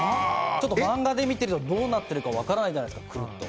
漫画で見てるとどうなってるか分からないじゃないですか。